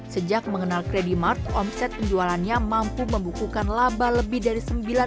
sejak mengenal credit mart omset penjualannya mampu membukukan laba lebih dari sembilan puluh